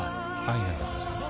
愛なんだからさ。